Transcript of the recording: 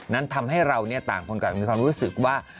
นั้นทำให้เราเนี่ยต่างคนก็มีความรู้สึกว่า